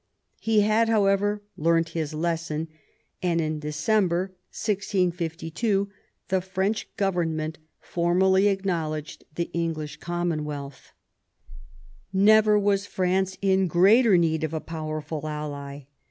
He had, however, learnt his lesson, and in December 1652 the French government formally acknow ledged the English Commonwealth. 122 MAZARIN chap. Never was France in greater need of a powerful ally.